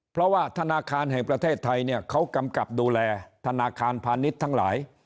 เพราะว่าธนาคารแห่งประเทศไทยเนี่ยเขากำกับดูแลธนาคารพาณิชย์ทั้งหลาย